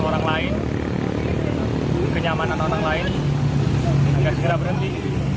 orang lain kenyamanan orang lain tidak segera berhenti